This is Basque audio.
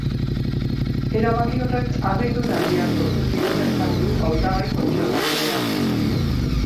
Erabaki horrek harridura handia sortu diola esan du hautagai kontserbadoreak.